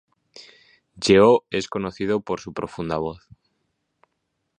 Yeo es conocido por su profunda voz.